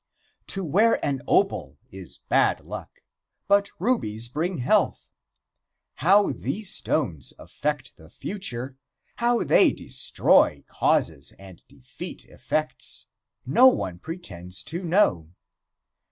To wear an opal is bad luck, but rubies bring health. How these stones affect the future, how they destroy causes and defeat effects, no one pretends to know.